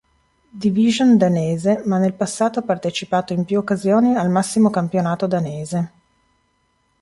Division danese, ma nel passato ha partecipato in più occasioni al massimo campionato danese.